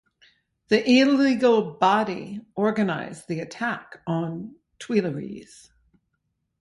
The illegal body organized the attack on Tuileries.